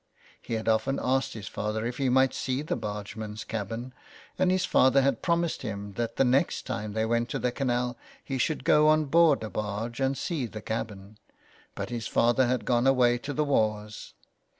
He had often asked his father if he might see the barge man's cabin; and his father had promised him that the next time they went to the canal he should go on board a barge and see the cabin ; but his father had gone away to the wars.